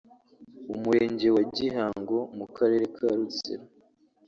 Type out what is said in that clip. Umurenge wa Gihango mu Karere ka Rutsiro